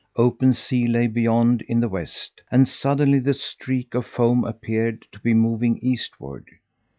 Open sea lay beyond in the west, and suddenly the streak of foam appeared to be moving eastward.